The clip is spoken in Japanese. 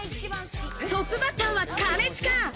トップバッターは兼近。